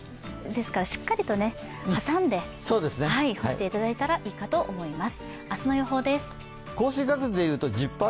しっかりと挟んで干していただいたらいいかと思います。